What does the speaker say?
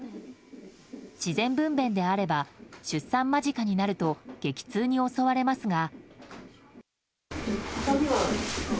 自然分娩であれば出産間近になると激痛に襲われますが。